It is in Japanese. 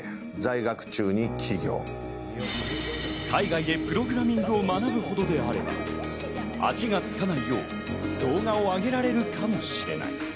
海外でプログラミングを学ぶほどであれば、足がつかないよう動画を上げられるかもしれない。